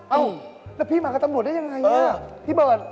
เอ้าแล้วพี่มากับตำรวจได้ยังไงพี่เบิร์ต